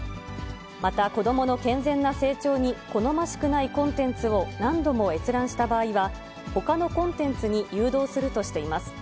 また子どもの健全な成長に好ましくないコンテンツを何度も閲覧した場合は、ほかのコンテンツに誘導するとしています。